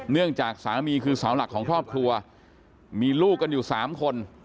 เนื่องจากสามีคือเสาหลักของครอบครัวมีลูกกันอยู่๓คน